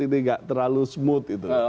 ini nggak terlalu smooth itu